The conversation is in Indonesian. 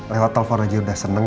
lewat telepon aja udah seneng